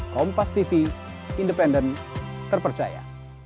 kompas tv independen terpercaya